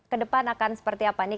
ke depan akan seperti apa nih